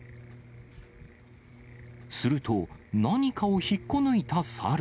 すると、何かを引っこ抜いた猿。